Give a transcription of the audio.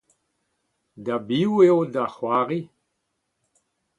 Da biv eo da c'hoari ?